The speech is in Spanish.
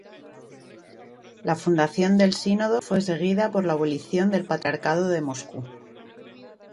La fundación del Sínodo fue seguida por la abolición del Patriarcado de Moscú.